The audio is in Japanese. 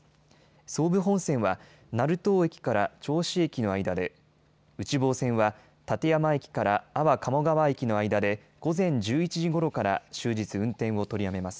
総武本線は成東駅から銚子駅の間で、内房線は館山駅から安房鴨川駅の間で午前１１時ごろから終日運転を取りやめます。